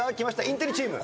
インテリチーム。